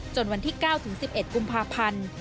จนวันที่๙๑๑กุมภาพันธุ์